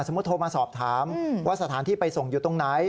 โทรมาสอบถามว่าสถานที่ไปส่งอยู่ตรงไหน